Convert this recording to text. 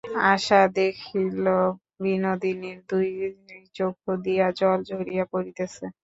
আশা দেখিল, বিনোদিনীর দুই চক্ষু দিয়া জল ঝরিয়া পড়িতেছে।